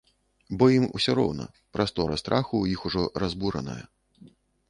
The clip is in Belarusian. Бо ім усё роўна, прастора страху ў іх ужо разбураная.